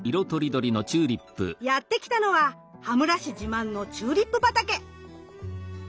やって来たのは羽村市自慢のチューリップ畑。